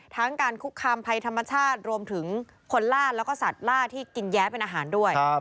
ทั้งการคุกคามภัยธรรมชาติรวมถึงคนล่าแล้วก็สัตว์ล่าที่กินแย้เป็นอาหารด้วย